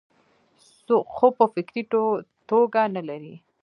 خو پۀ فکري توګه نۀ لري -